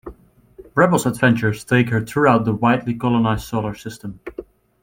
Rebel's adventures take her throughout the widely colonised solar system.